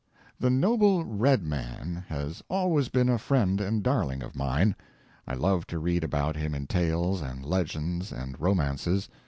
The noble Red Man has always been a friend and darling of mine. I love to read about him in tales and legends and romances.